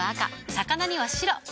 魚には白。